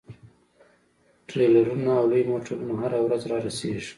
ټریلرونه او لوی موټرونه هره ورځ رارسیږي